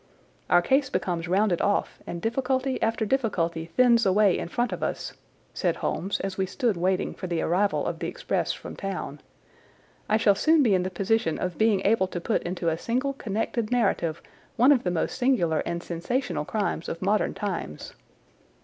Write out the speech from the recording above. "Our case becomes rounded off, and difficulty after difficulty thins away in front of us," said Holmes as we stood waiting for the arrival of the express from town. "I shall soon be in the position of being able to put into a single connected narrative one of the most singular and sensational crimes of modern times.